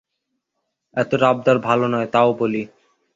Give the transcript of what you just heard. এতটা আবদার ভালো নয়, তাও বলি।